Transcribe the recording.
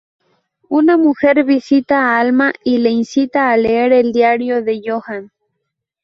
Una mujer visita a Alma y le incita a leer el diario de Johan.